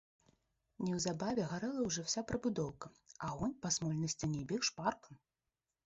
Неўзабаве гарэла ўжо ўся прыбудоўка, агонь па смольнай сцяне бег шпарка.